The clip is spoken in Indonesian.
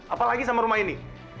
apalagi sama rumah ini